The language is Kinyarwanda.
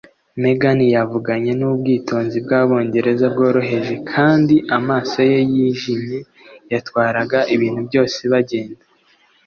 Megan yavuganye n'ubwitonzi bw'Abongereza bworoheje, kandi amaso ye yijimye yatwaraga ibintu byose bagenda.